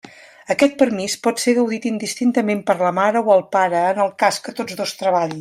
Aquest permís pot ser gaudit indistintament per la mare o el pare, en el cas que tots dos treballin.